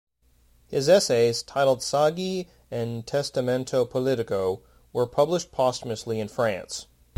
His essays, titled Saggi and Testamento Politico, were published posthumously in France.